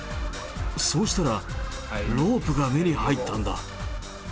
そうしたら、ロープが目に入ったんだ。